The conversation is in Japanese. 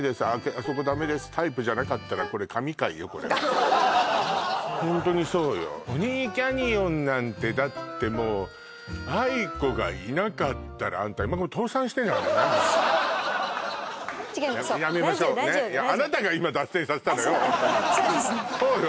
あそこダメですタイプじゃなかったらこれこれはホントにそうよポニーキャニオンなんてだってもうａｉｋｏがいなかったらあんた今頃倒産してんじゃないかなもう違いますそうラジオラジオやめましょうねそうですねそうですよねそうよ